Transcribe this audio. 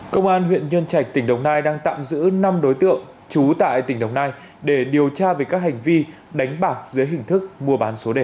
công an huyện nhân trạch tỉnh đồng nai đang tạm giữ năm đối tượng trú tại tỉnh đồng nai để điều tra về các hành vi đánh bạc dưới hình thức mua bán số đề